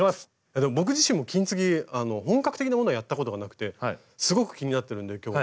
僕自身も金継ぎ本格的なものをやったことがなくてすごく気になってるんで今日は菅さん